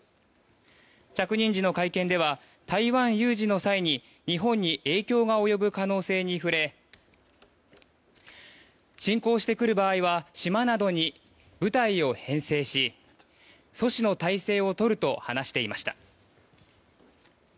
着任時の会見では台湾有事の際に日本に影響が及ぶ可能性に触れ侵攻してくる場合は島などに部隊を編成し阻止の体制をとると話していました。